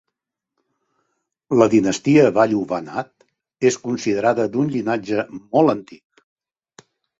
La dinastia Valluvanad és considerada d'un llinatge molt antic.